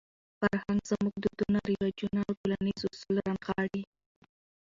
فرهنګ زموږ دودونه، رواجونه او ټولنیز اصول رانغاړي.